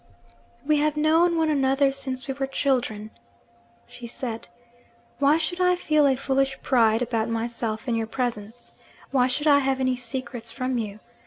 'We have known one another since we were children,' she said. 'Why should I feel a foolish pride about myself in your presence? why should I have any secrets from you?